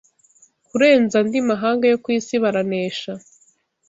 kurenza andi mahanga yo ku isi baranesha